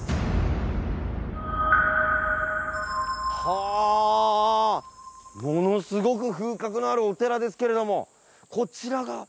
はぁものすごく風格のあるお寺ですけれどもこちらが？